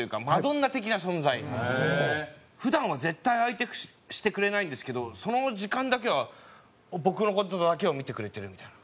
普段は絶対相手してくれないんですけどその時間だけは僕の事だけを見てくれてるみたいな。